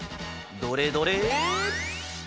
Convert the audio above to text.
どれどれ？